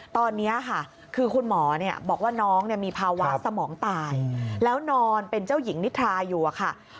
ตอนนี้ค่ะคือคุณหมอบอกว่าน้องมีภาวะสมองตายแล้วนอนเป็นเจ้าหญิงนิทราอยู่ค่ะ